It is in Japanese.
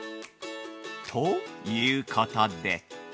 ◆ということで。